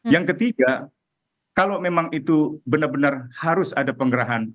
yang ketiga kalau memang itu benar benar harus ada penggerahan